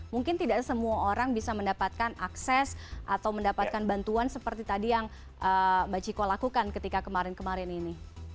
mungkin tidak semua orang bisa mendapatkan akses atau mendapatkan bantuan seperti tadi yang mbak ciko lakukan ketika kemarin kemarin ini